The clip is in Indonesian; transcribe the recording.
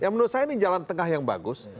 ya menurut saya ini jalan tengah yang bagus